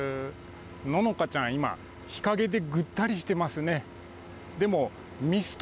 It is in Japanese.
野乃香ちゃん、今、日陰でぐったりしていますね。